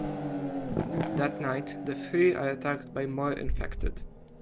That night, the three are attacked by more infected.